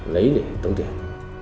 lấy để tốn tiền